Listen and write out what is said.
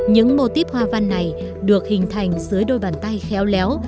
những mô típ hoa văn này được hình thành dưới đôi bàn tay khéo léo